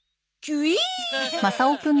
キュイン！